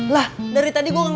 lah dari tadi gue ngomong